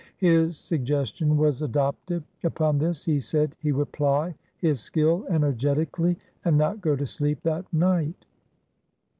His suggestion was adopted. Upon this he said he would ply his skill energetically and not go to sleep that night.